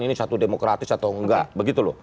ini satu demokratis atau enggak